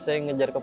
saya ngejar kepala